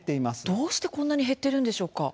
どうして、こんなに減っているんでしょうか？